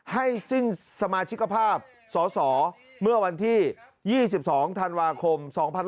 ให้สิ้นสมาชิกภาพสอสอเมื่อวันที่๒๒ธันวาคม๒๕๖๒